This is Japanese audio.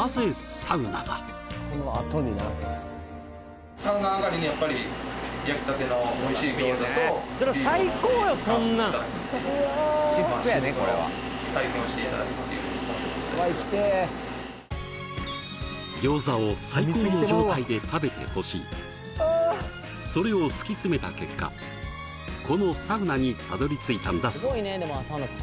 サウナ上がりにやっぱり焼きたてのおいしい餃子とビールを飲んで楽しんでいただくっていうそれを突き詰めた結果このサウナにたどり着いたんだそう